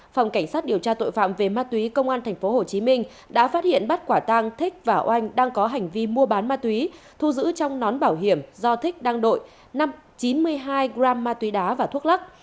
phòng cảnh sát điều tra tội phạm về ma túy công an tp hcm đã phát hiện bắt quả tang thích và oanh đang có hành vi mua bán ma túy thu giữ trong nón bảo hiểm do thích đăng đội chín mươi hai gram ma túy đá và thuốc lắc